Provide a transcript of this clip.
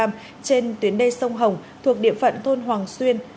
trên tuyến đê sông hồng thuộc địa phận thôn hoàng xuyên